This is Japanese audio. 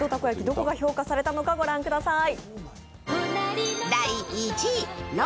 どこが評価されたのか御覧ください。